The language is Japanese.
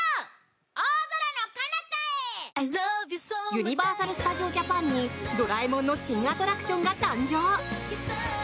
ユニバーサル・スタジオ・ジャパンに「ドラえもん」の新アトラクションが誕生！